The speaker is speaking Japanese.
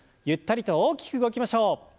ゆったりと大きく動きましょう。